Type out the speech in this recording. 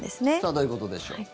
どういうことでしょう？